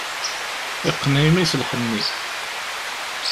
Yeqqen yimi-s lḥenni.